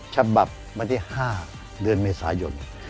ฉบับวันที่๕เดือนเมษายน